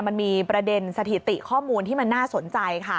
มันมีประเด็นสถิติข้อมูลที่มันน่าสนใจค่ะ